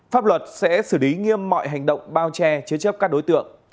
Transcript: pháp luật sẽ xử lý nghiêm mọi hành động bao che chế chấp các đối tượng